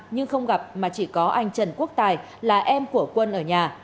nhưng không gặp mà chỉ có anh trần quốc tài là em của quân ở nhà